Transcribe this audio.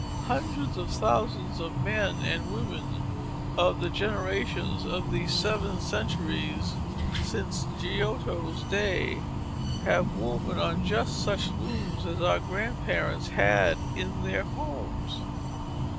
Hundreds of thousands of men and women of the generations of these seven centuries since Giotto's day have woven on just such looms as our grandparents had in their homes.